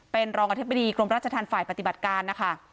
เป็นรองอธิบดีกรมราชธรรมฝ่ายปฏิบัติการนะคะ